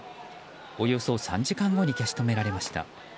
およそ３時間後に消し止められました。